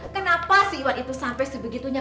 kenapa si wat itu sampai sebegitunya